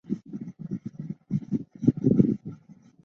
该物种的模式产地在堪察加。